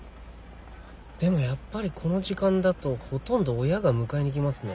でもやっぱりこの時間だとほとんど親が迎えに来ますね。